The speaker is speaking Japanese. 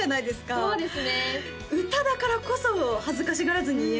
そうですね